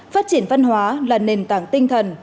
phát triển văn hóa là nền tảng tinh thần